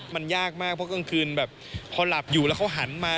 มันยากมากเพราะกลางคืนแบบพอหลับอยู่แล้วเขาหันมา